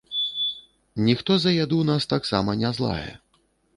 Ніхто за яду нас таксама не злае.